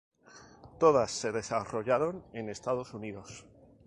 Todas se desarrollaron en los Estados Unidos.